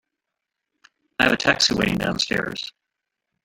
I have a taxi waiting downstairs.